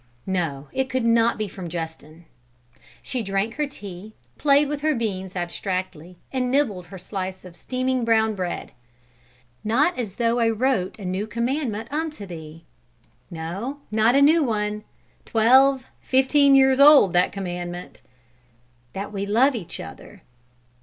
No, it could not be from Justin. She drank her tea, played with her beans abstractedly, and nibbled her slice of steaming brown bread. "Not as though I wrote a new commandment unto thee." No, not a new one; twelve, fifteen years old, that commandment! "That we love one another."